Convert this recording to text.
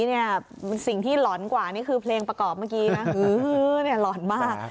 มันสิ่งที่ร้อนกว่าคือเพลงประกอบเมื่อกี้ร้อนมาก